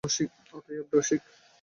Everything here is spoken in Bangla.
অতএব– রসিক।